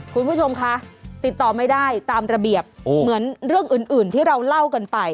คุณผู้ชมคะติดต่อไม่ได้ตามระเบียบเหมือนเรื่องอื่นที่เราเล่ากันไป